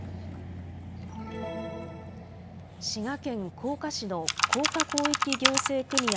滋賀県甲賀市の甲賀広域行政組合